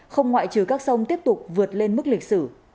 không ngoại trừ các sông tiếp tục vượt lên mức lịch sử